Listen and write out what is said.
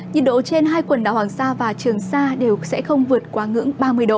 nhiệt độ trên hai quần đảo hoàng sa và trường sa đều không vượt quá ngưỡng ba mươi độ